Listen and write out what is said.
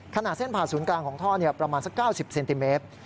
เส้นผ่าศูนย์กลางของท่อประมาณสัก๙๐เซนติเมตร